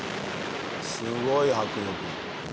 すごい迫力。